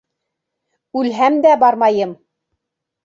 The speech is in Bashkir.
Үлһәм дә бармайым!